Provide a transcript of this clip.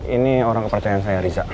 ini orang kepercayaan saya riza